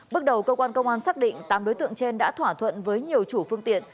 bước đầu cơ quan công an xác định tám đối tượng trên đã thỏa thuận với nhiều chủ phương tiện